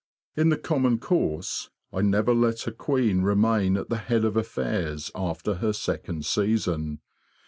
In the common course, I never let a queen remain at the head of affairs after her second season.